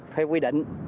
theo quy định